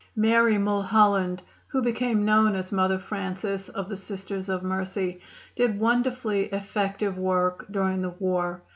Mary Mulholland, who became known as Mother Francis of the Sisters of Mercy, did wonderfully effective work during the war.